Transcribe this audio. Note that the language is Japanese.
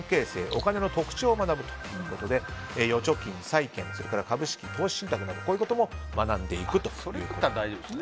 お金の特徴を学ぶということで預貯金、債券、株式投資信託などこういうことも学んでいくということです。